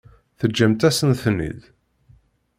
Teǧǧamt-asent-ten-id.